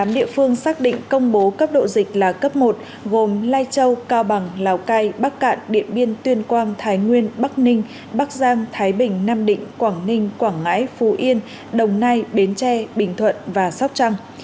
tám địa phương xác định công bố cấp độ dịch là cấp một gồm lai châu cao bằng lào cai bắc cạn điện biên tuyên quang thái nguyên bắc ninh bắc giang thái bình nam định quảng ninh quảng ngãi phú yên đồng nai bến tre bình thuận và sóc trăng